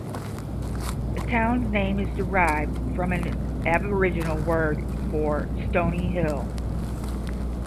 The town's name is derived from an aboriginal word for "stony hill".